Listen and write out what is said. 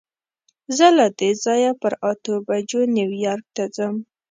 زه له دې ځایه پر اتو بجو نیویارک ته ځم.